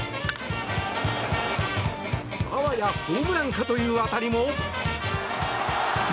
あわやホームランかという当たりも。